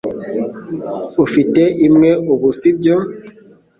Ufite imwe ubu, sibyo?